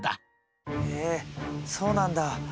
へえそうなんだ。